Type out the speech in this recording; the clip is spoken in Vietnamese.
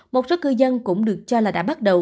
một số cư dân cũng được cho là đã bắt đầu